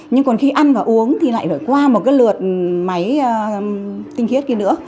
nhưng còn khi ăn và uống thì lại phải qua một cái lượt máy tinh khiết kia nữa